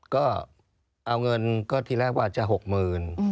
ก็เอาเงินก็ที่แรกว่าจะหกหมื่น